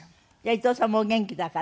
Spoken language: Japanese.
伊東さんもお元気だから。